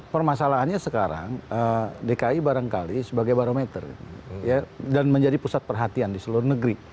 permasalahannya sekarang dki barangkali sebagai barometer dan menjadi pusat perhatian di seluruh negeri